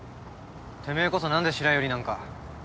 てめえこそ何で白百合なんか。